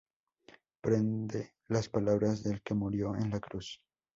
prende las palabras del que murió en la cruz.